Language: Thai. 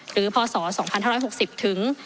หรือพศ๒๕๖๐ถึง